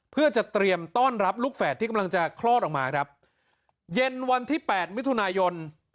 เพื่อจะเตรียมต้อนรับลูกแฝดที่กำลังจะคลอดออกมาครับเย็นวันที่แปดมิถุนายน